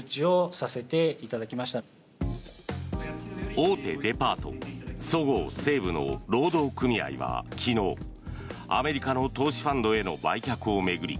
大手デパートそごう・西武の労働組合は昨日アメリカの投資ファンドへの売却を巡り